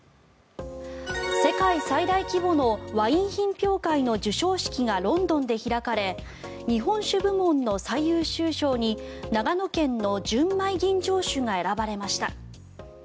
世界最大規模のワイン品評会の授賞式がロンドンで開かれ日本酒部門の最優秀賞に長野県の純米吟醸酒が選ばれました。